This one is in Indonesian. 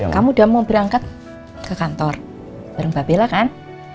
kamu udah mau berangkat ke kantor bareng babella kan